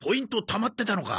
たまってたのか。